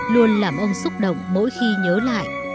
luôn làm ông xúc động mỗi khi nhớ lại